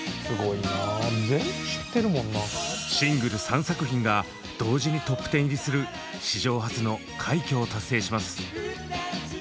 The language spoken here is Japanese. シングル３作品が同時にＴＯＰ１０入りする史上初の快挙を達成します。